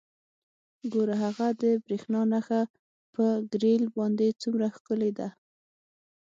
ګوره هغه د بریښنا نښه په ګریل باندې څومره ښکلې ده